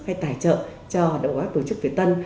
hay tài trợ cho đội quốc tổ chức việt tân